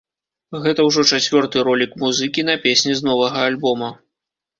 Гэта ўжо чацвёрты ролік музыкі на песні з новага альбома.